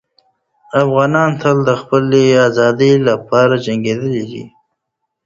افغانان تل د خپلې ازادۍ لپاره جنګېدلي دي.